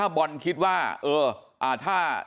มันต้องการมาหาเรื่องมันจะมาแทงนะ